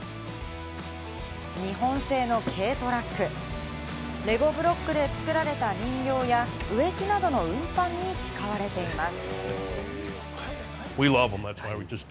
日本製の軽トラック、レゴブロックで作られた人形や植木などの運搬に使われています。